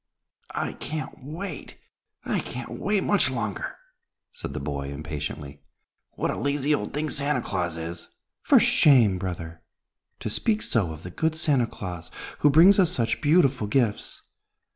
"I can't wait! I can't wait much longer," said the boy, impatiently. "What a lazy old thing Santa Claus is!" "For shame, brother, to speak so of the good Santa Claus, who brings us such beautiful gifts.